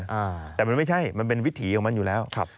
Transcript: อ่าแต่มันไม่ใช่มันเป็นวิถีของมันอยู่แล้วครับ